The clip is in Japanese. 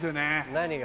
何が？